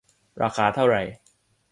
ราคาเท่าไร